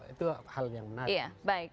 itu hal yang menarik